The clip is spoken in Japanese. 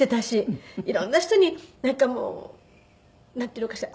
色んな人になんかもうなんていうのかしら。